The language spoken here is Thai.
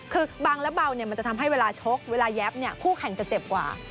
คือบังและเบามันจะทำให้เวลาชกเวลาแยบคู่แข่งจะเจ็บกว่า